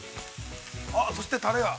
◆そしてタレが。